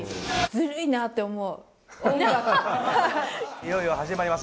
いよいよ始まります。